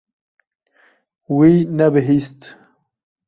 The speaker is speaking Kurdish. Wî nebihîst.